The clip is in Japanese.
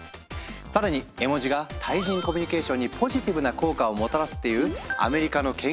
更に絵文字が対人コミュニケーションにポジティブな効果をもたらすっていうアメリカの研究結果も。